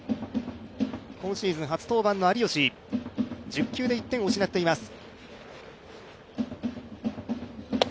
今シーズン初登板の有吉、１０球で１点を失っています。